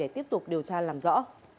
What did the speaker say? tiếp tục điều tra làm rõ